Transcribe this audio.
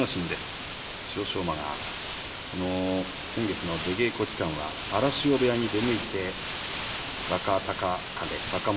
馬が先月の出稽古期間は荒汐部屋に出向いて若隆景と若元